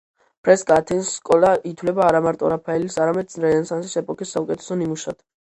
ფრესკა ათენის სკოლა ითვლება არა მარტო რაფაელის არამედ რენესანსის ეპოქის საუკეთესო ნიმუშად.